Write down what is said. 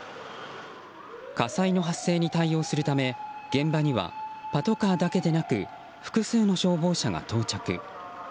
火災の発生に対応するため現場にはパトカーだけでなく複数の消防車が到着。